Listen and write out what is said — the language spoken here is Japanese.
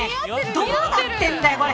どうなってんだよ、これ。